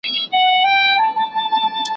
زه پرون مړۍ وخوړله،